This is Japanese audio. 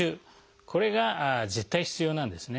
これが絶対必要なんですね。